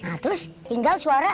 nah terus tinggal suara